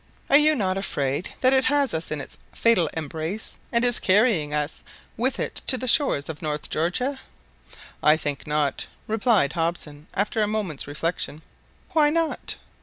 Are you not afraid that it has us in its fatal embrace, and is carrying us with it to the shores of North Georgia?" "I think not," replied Hobson, after a moment's reflection. "Why not?"